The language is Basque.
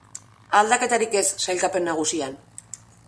Aldaketarik ez sailkapen nagusian.